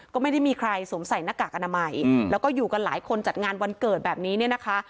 ก็ไม่ได้มีใครสวมใส่หน้ากากอนามัยแล้วก็อยู่กันหลายคนจัดงานวันเกิดแบบนี้เนี่ยนะคะ